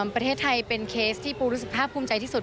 ประเทศไทยเป็นเคสที่ปูรู้สึกภาพภูมิใจที่สุด